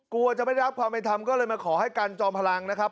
กลัวจะไม่ได้รับความเป็นธรรมก็เลยมาขอให้กันจอมพลังนะครับ